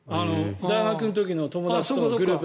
大学の時の友達とのグループ